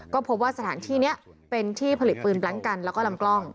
ก็พบว่าสถานที่นี้เป็นที่ผลิตปืนแบล็งกันแล้วก็ลำกล้อง